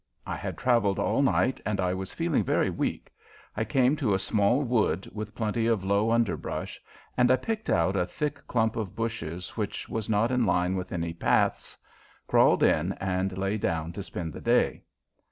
I had traveled all night and I was feeling very weak. I came to a small wood with plenty of low underbrush, and I picked out a thick clump of bushes which was not in line with any paths, crawled in, and lay down to spend the day.